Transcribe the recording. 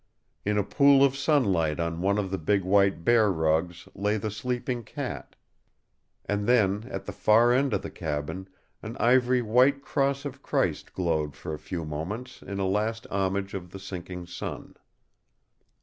In a pool of sunlight on one of the big white bear rugs lay the sleeping cat. And then, at the far end of the cabin, an ivory white Cross of Christ glowed for a few moments in a last homage of the sinking sun.